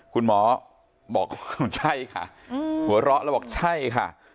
คุณหมอบอกว่าใช่ค่ะหัวเราะแล้วบอกใช่ค่ะ